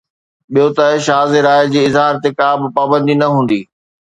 ٻيو ته شاز راءِ جي اظهار تي ڪا به پابندي نه هوندي.